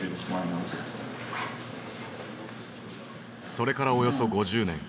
それからおよそ５０年。